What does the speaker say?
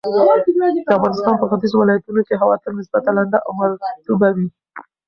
د افغانستان په ختیځو ولایتونو کې هوا تل نسبتاً لنده او مرطوبه وي.